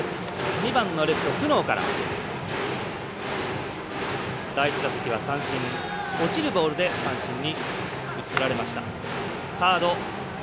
２番のレフト、久納から第１打席は落ちるボールで三振に打ち取られました。